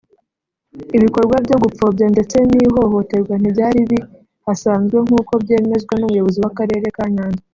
ibikorwa byo gupfobya ndetse n’ihohoterwa ntibyari bihasanzwe nk’uko byemezwa n’Umuyobozi w’Akarere ka Nyanza